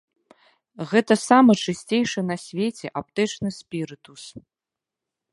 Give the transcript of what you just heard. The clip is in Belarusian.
Гэта самы чысцейшы на свеце аптэчны спірытус!